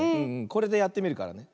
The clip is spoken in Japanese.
これでやってみるからね。